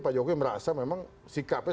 pak jokowi merasa memang sikapnya